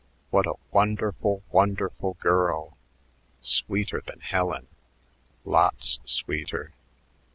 "What a wonderful, wonderful girl! Sweeter than Helen lots sweeter....